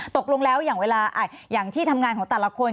ตกลงแล้วอย่างเวลาอย่างที่ทำงานของแต่ละคน